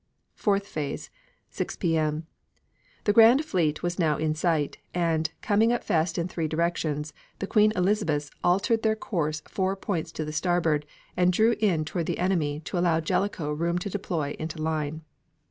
Fourth Phase, 6 P.M. The Grand Fleet was now in sight, and, coming up fast in three directions, the Queen Elizabeths altered their course four points to the starboard and drew in toward the enemy to allow Jellicoe room to deploy into line.